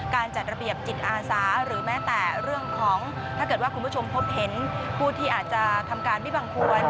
จัดระเบียบจิตอาสาหรือแม้แต่เรื่องของถ้าเกิดว่าคุณผู้ชมพบเห็นผู้ที่อาจจะทำการไม่บังควร